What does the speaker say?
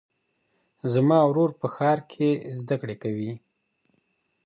زما ورور په ښار کې زده کړې کوي.